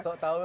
sok tau loh